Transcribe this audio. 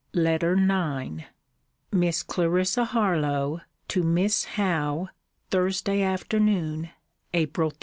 LETTER IX MISS CLARISSA HARLOWE, TO MISS HOWE THURSDAY AFTERNOON, APRIL 13.